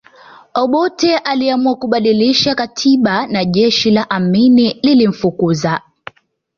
Obote aliamua kubadilisha katiba na jeshi la Amini lilimfukuza